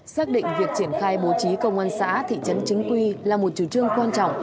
xác định việc triển khai bố trí công an xã thị trấn chính quy là một chủ trương quan trọng